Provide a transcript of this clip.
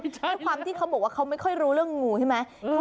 ก็ความที่เขาบอกไม่ค่อยรู้เรื่องงูใช่ไหม